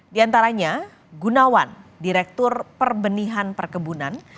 di antaranya gunawan direktur perbenihan perkebunan